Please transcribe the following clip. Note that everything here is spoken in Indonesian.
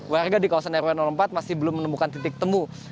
warga di kawasan rw empat masih belum menemukan titik temu